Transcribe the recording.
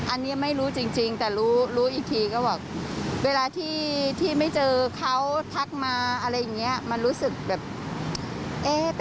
อะไรอย่างนี้คอยอยู่นะ